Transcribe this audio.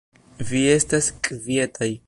Vi estas kvietaj.